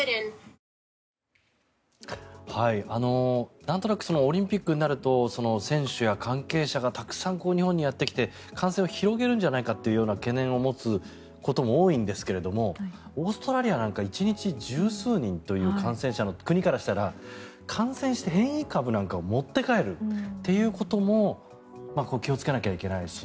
なんとなくオリンピックになると選手や関係者がたくさん日本にやってきて感染を広げるんじゃないかという懸念を持つことも多いんですけれどもオーストラリアなんか１日１０数人という感染者の国からしたら感染して変異株なんかを持って帰るっていうことも気をつけなきゃいけないし。